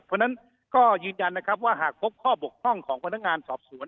เพราะฉะนั้นก็ยืนยันนะครับว่าหากพบข้อบกพร่องของพนักงานสอบสวน